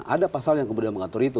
ada pasal yang kemudian mengatur itu